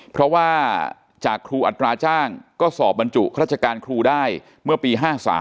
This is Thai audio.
เพราะว่าจากครูอัตราจ้างก็สอบบรรจุราชการครูได้เมื่อปี๕๓